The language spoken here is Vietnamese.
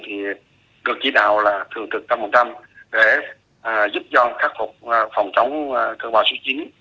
thì được chỉ đạo là thường trực tâm một trăm linh để giúp do khắc phục phòng chống cơn bão số chín